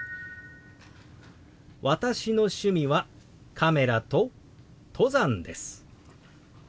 「私の趣味はカメラと登山です」。